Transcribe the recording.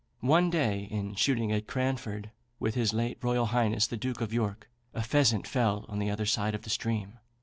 One day in shooting at Cranford, with his late Royal Highness the Duke of York, a pheasant fell on the other side of the stream.